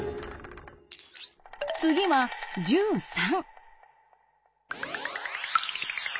次は１３。